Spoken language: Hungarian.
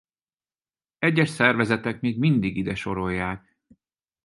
Egyes szervezetek még mindig ide sorolják.